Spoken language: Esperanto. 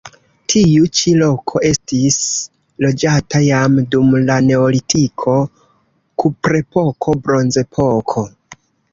Tiu ĉi loko estis loĝata jam dum la neolitiko, kuprepoko, bronzepoko.